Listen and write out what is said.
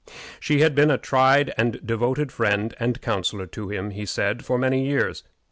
She had been a tried and devoted friend and counselor to him, he said, for many years.